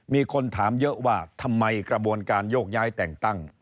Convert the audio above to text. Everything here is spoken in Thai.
มีคนถามเยอะว่าทำไมกระบวนการโยกย้ายแต่งตั้ง